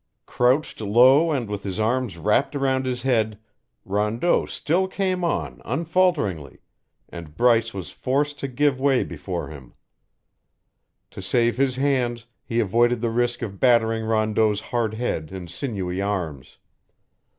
Crouched low and with his arms wrapped around his head, Rondeau still came on unfalteringly, and Bryce was forced to give way before him; to save his hands, he avoided the risk of battering Rondeau's hard head and sinewy arms.